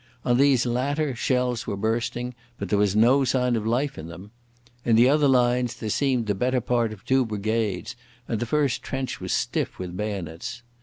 On these latter shells were bursting, but there was no sign of life in them. In the other lines there seemed the better part of two brigades, and the first trench was stiff with bayonets.